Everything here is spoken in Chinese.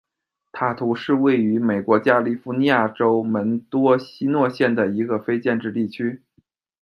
塔图是位于美国加利福尼亚州门多西诺县的一个非建制地区。